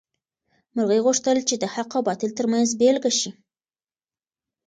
مرغۍ غوښتل چې د حق او باطل تر منځ بېلګه شي.